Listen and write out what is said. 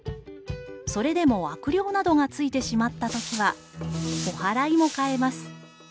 それでも悪霊などがついてしまったときはお祓いも買えます。